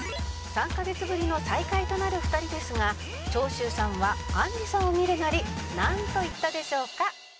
「３カ月ぶりの再会となる２人ですが長州さんはあんりさんを見るなりなんと言ったでしょうか？」